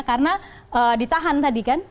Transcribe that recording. karena ditahan tadi kan